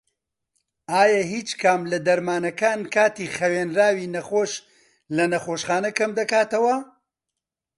ئایا هیچ کام لە دەرمانەکان کاتی خەوێنراوی نەخۆش لە نەخۆشخانە کەمدەکاتەوە؟